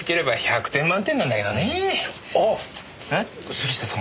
杉下さん